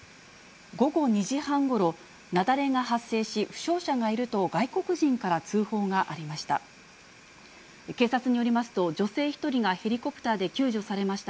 午後２時半ごろ、雪崩が発生し、負傷者がいると、外国人から通報がありました。